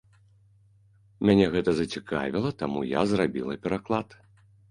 Мяне гэта зацікавіла, таму я зрабіла пераклад.